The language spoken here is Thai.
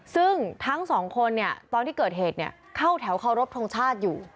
ซึ่งทั้ง๒คนเนี่ยตอนที่เกิดเหตุเนี่ยเข้าแถวเข้ารบทรงชาติอยู่